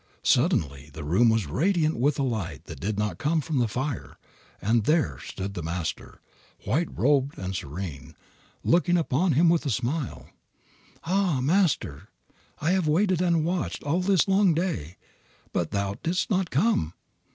Suddenly the room was radiant with a light that did not come from the fire, and there stood the Master, white robed, and serene, looking upon him with a smile. "Ah, Master, I have waited and watched all this long day, but thou didst not come."